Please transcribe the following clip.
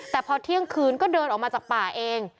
แต่พอเที่ยงคืนก็เดินออกมาจากป่าเอง